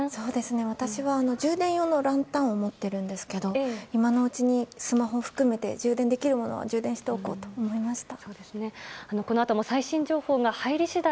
私は充電用のランタンを持っているんですが今のうちにスマホ含めて充電できるものは充電しておこうと思いました。